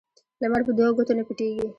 لمر په دوو ګوتو نه پټیږي